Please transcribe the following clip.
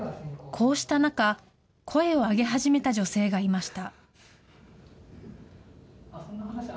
こうした中、声を上げ始めた女性がいました。